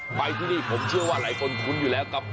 ไปที่นี่ผมเชื่อว่าหลายคนคุ้นอยู่แล้วกับ